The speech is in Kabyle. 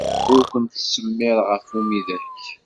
Ur ken-ttsemmireɣ ɣef umidag.